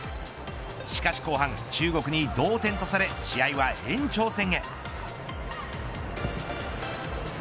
しかし後半、中国に同点とされ試合は延長戦へ。